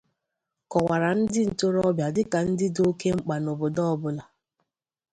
kọwàrà ndị ntorobịa dịka ndị dị óké mkpà n'obodo ọbụla